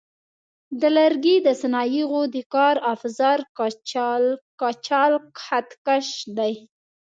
د لرګي د صنایعو د کار افزار کچالک خط کش دی.